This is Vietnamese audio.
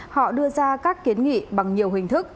họ đưa ra các kiến nghị bằng nhiều hình thức